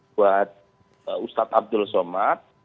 buat ustadz abdul somad